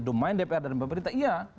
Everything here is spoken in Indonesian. domain dpr dan pemerintah iya